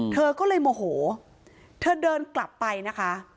เธอก็เลยโมโหเธอเดินกลับไปนะคะ